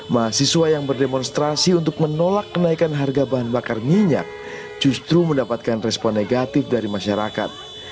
mahasiswa yang berdemonstrasi untuk menolak kenaikan harga bahan bakar minyak justru mendapatkan respon negatif dari masyarakat